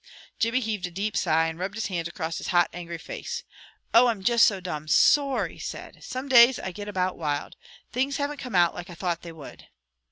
Jimmy heaved a deep sigh, and rubbed his hands across his hot, angry face. "Oh, I'm just so domn sore!" he said. "Some days I get about wild. Things haven't come out like I thought they would."